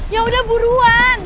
ya udah buruan